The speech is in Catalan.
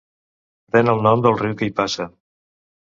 Pren el nom del riu que hi passa.